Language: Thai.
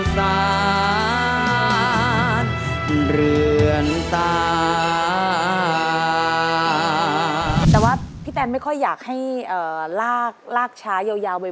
แต่ว่าพี่แทนไม่ค่อยอยากให้ลากช้ายาวบ่อย